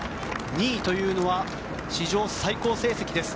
２位というのは史上最高成績です。